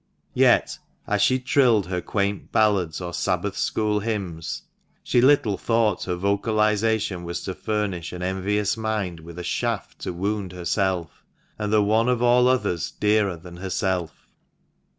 Yet, as she trilled her quaint ballads, or Sabbath school hymns, she little thought her vocalization was to furnish an envious mind with a shaft to wound herself, and the one of all others dearer than herself.